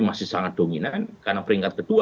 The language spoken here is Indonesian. masih sangat dominan karena peringkat kedua